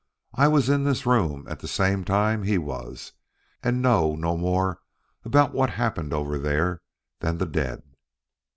I was in this room at the same time he was and know no more about what happened over there than the dead.